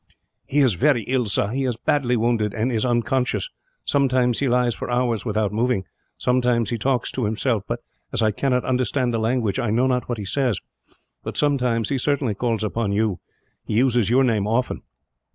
"He is very ill, sir. He is badly wounded, and is unconscious. Sometimes he lies for hours without moving; sometimes he talks to himself but, as I cannot understand the language, I know not what he says; but sometimes he certainly calls upon you. He uses your name often.